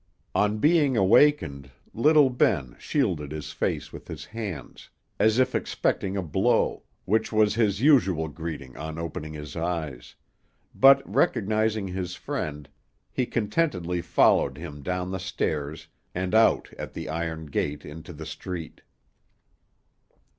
On being awakened, little Ben shielded his face with his hands, as if expecting a blow, which was his usual greeting on opening his eyes, but, recognizing his friend, he contentedly followed him down the stairs, and out at the iron gate into the street.